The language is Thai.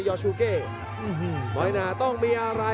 โยกขวางแก้งขวา